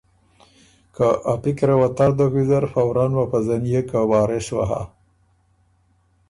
که ا پِکره وه تر دوک ویزر فوراً وه پزنيېک که وارث وه هۀ۔